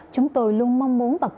chúng tôi luôn mong muốn và cố gắng